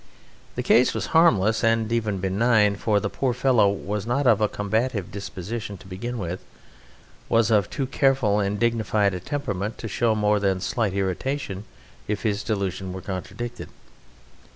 The case was harmless and even benign, for the poor fellow was not of a combative disposition to begin with, was of too careful and dignified a temperament to show more than slight irritation if his delusion were contradicted.